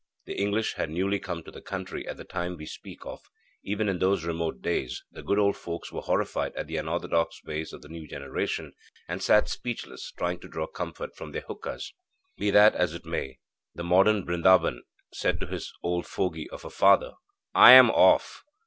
The English had newly come to the country at the time we speak of. Even in those remote days, the good old folks were horrified at the unorthodox ways of the new generation, and sat speechless, trying to draw comfort from their hookas. Be that as it may, the modern Brindaban said to his old fogy of a father: 'I am off.'